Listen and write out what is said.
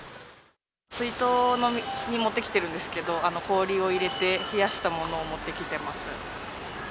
水筒を持ってきてるんですけど、氷を入れて冷やしたものを持ってきています。